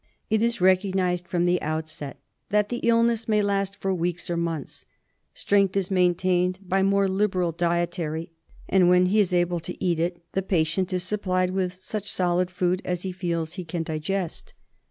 It is recognised from the outset that the illness may last for weeks or months. Strength is maintained by more liberal dietary, and when he is able to eat it the patient is supplied with such solid food as he feels he can digest.